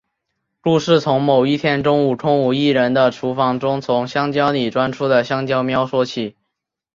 故事从某一天中午空无一人的厨房中从香蕉里钻出的香蕉喵说起。